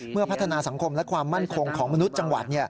พัฒนาสังคมและความมั่นคงของมนุษย์จังหวัด